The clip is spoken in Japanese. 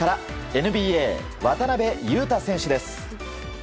ＮＢＡ、渡邊雄太選手です。